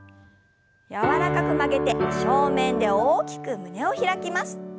柔らかく曲げて正面で大きく胸を開きます。